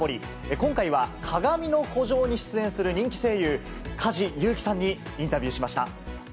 今回は、かがみの孤城に出演する人気声優、梶裕貴さんにインタビューしました。